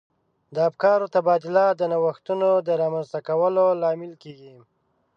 د افکارو تبادله د نوښتونو د رامنځته کولو لامل کیږي.